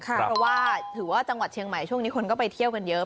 เพราะว่าถือว่าจังหวัดเชียงใหม่ช่วงนี้คนก็ไปเที่ยวกันเยอะ